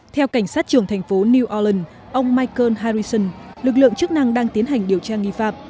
theo cảnh sát trưởng thành phố newt ông michael harrison lực lượng chức năng đang tiến hành điều tra nghi phạm